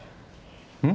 うん？